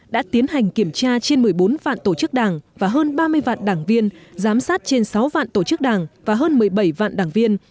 đã tiến hành kiểm tra trên một mươi bốn vạn tổ chức đảng và hơn ba mươi vạn đảng viên giám sát trên sáu vạn tổ chức đảng và hơn một mươi bảy vạn đảng viên